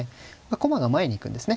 駒が前に行くんですね。